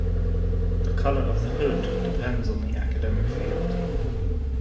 The color of the hood depends on the academic field.